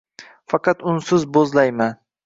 Faqat unsiz boʼzlayman.